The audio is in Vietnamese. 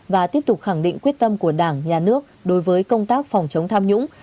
và tiếp tục khẳng định quyết tâm của đảng nhà nước đối với công tác phòng chống tham nhũng